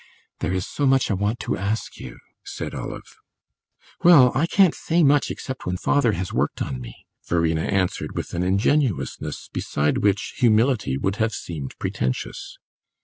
"There is so much I want to ask you," said Olive. "Well, I can't say much except when father has worked on me," Verena answered with an ingenuousness beside which humility would have seemed pretentious.